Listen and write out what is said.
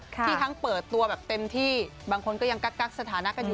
ที่ทั้งเปิดตัวแบบเต็มที่บางคนก็ยังกักสถานะกันอยู่